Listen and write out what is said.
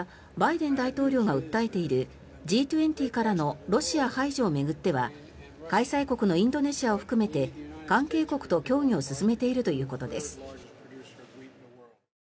また、バイデン大統領が訴えているＧ２０からのロシア排除を巡っては開催国のインドネシアを含めて関係国と協議を進めているということです。